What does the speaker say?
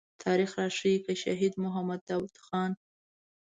تاريخ راښيي چې که شهيد محمد داود خان.